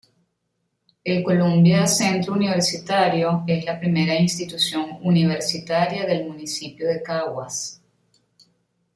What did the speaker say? El Columbia Centro Universitario es la primera Institución Universitaria del municipio de Caguas.